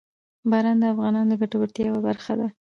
باران د افغانانو د ګټورتیا یوه برخه ده.